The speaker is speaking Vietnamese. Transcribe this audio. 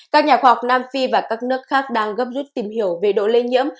các nhà khoa học nam phi và các nước khác đang gấp rút tìm hiểu về độ lây nhiễm